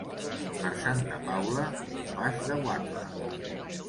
Per Santa Paula, un pas de guatla.